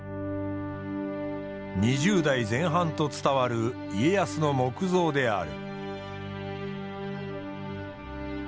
２０代前半と伝わる家康の木像である。